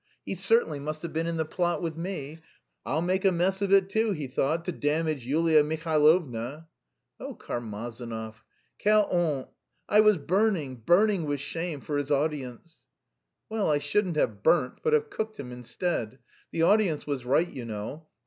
He certainly must have been in the plot with me! 'I'll make a mess of it too,' he thought, 'to damage Yulia Mihailovna.'" "Oh, Karmazinov! Quelle honte! I was burning, burning with shame for his audience!" "Well, I shouldn't have burnt, but have cooked him instead. The audience was right, you know.